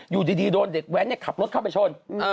อยู่ดีโดนเด็กแว้นขับรถเข้าไปชน